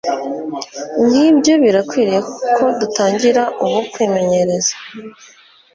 nk’ibyo, birakwiriye ko dutangira ubu kwimenyereza